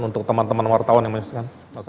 untuk teman teman wartawan yang menyaksikan